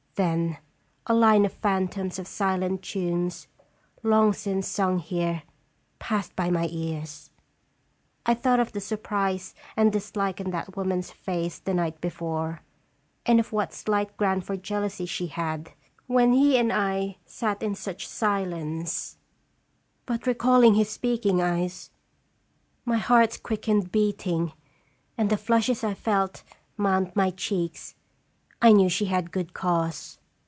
Then a line of phantoms of silent tunes, long since sung here, passed by my ears. I thought of the surprise and dislike in that woman's face the night before, and of what slight ground for jealousy she had, when he and I sat in such silence, but recalling his JDeafc?" 313 speaking eyes, my heart's quickened beating, and the flushes I felt mount my cheeks, I knew she had good cause.